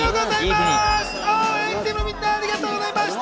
＆ＴＥＡＭのみんな、ありがとうございました！